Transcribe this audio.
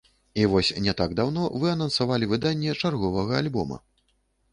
І вось не так даўно вы анансавалі выданне чарговага альбома.